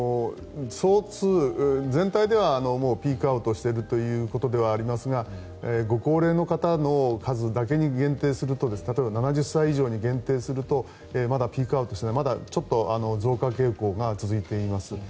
総数、全体ではピークアウトしているということではありますがご高齢の方の数だけに限定すると例えば７０歳以上に限定するとまだピークアウトしていないまだちょっと増加傾向が続いています。